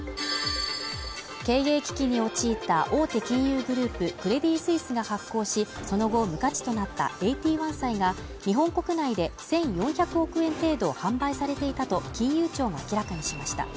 経営危機に陥った大手金融グループクレディ・スイスが発行し、その後無価値となったＡＴ１債が日本国内で１４００億円程度販売されていたと金融庁が明らかにしました。